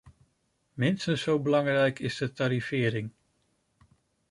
Minstens zo belangrijk is de tarifering.